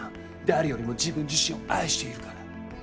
誰よりも自分自身を愛しているから。